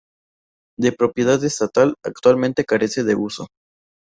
De propiedad estatal, actualmente carece de uso.